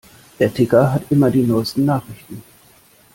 Der Ticker hat immer die neusten Nachrichten.